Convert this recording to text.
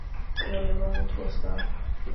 მწერალ ლევან გოთუას და.